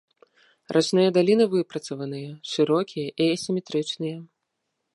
Рачныя даліны выпрацаваныя, шырокія і асіметрычныя.